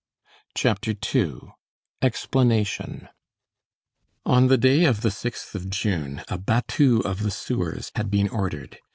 CHAPTER II—EXPLANATION On the day of the sixth of June, a battue of the sewers had been ordered.